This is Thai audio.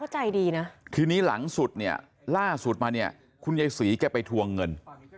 ใจดีนะทีนี้หลังสุดเนี่ยล่าสุดมาเนี่ยคุณยายศรีแกไปทวงเงิน